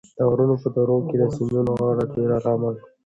د غرونو په درو کې د سیند غاړه ډېره ارامه وي.